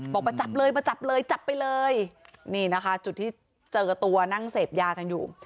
บอกมาจับเลยมาจับเลยจับไปเลยนี่นะคะจุดที่เจอตัวนั่งเสพยากันอยู่